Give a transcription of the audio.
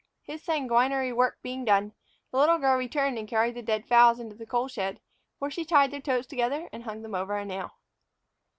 His sanguinary work being done, the little girl returned and carried the dead fowls into the coal shed, where she tied their toes together and hung them over a nail.